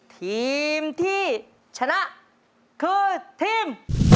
ทีมที่ชนะคือทีม